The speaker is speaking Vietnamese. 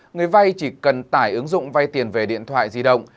người vay chỉ cần tải ứng dụng vay tiền về điện thoại di động